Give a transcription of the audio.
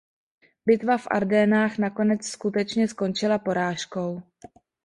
Bitva v Ardenách nakonec skutečně skončila porážkou.